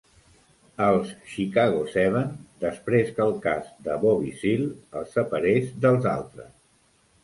els "Chicago Seven", després que el cas de Bobby Seale el separés dels altres.